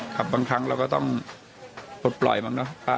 ครับบางครั้งเราก็ต้องปลดปล่อยมั้งนะครับป้า